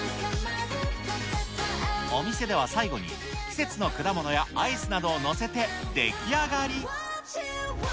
お店では最後に季節の果物やアイスなどを載せて出来上がり。